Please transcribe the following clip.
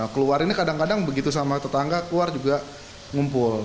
keluar ini kadang kadang begitu sama tetangga keluar juga ngumpul